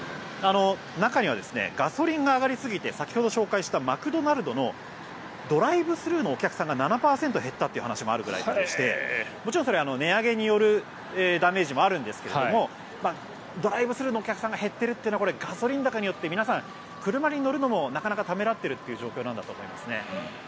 中にはガソリンが上がりすぎて先ほど紹介したマクドナルドのドライブスルーのお客さんが７％減ったという話もあるくらいでもちろんそれは値上げによるダメージもあるんですけれどもドライブスルーのお客さんが減っているというのはガソリン高によって皆さん車に乗るのもなかなかためらっている状況なんだと思います。